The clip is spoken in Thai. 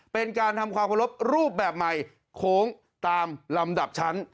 เป็นการทำความเคารพรูปแบบใหม่โค้งตามลำดับชั้น